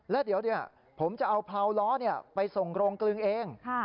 และเดี๋ยวเดี๋ยวผมจะเอาพราวล้อเนี่ยไปส่งโรงกลึงเอง